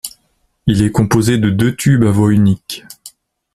Il est composé de deux tubes à voie unique.